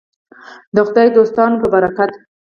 د خدای دوستانو په برکت.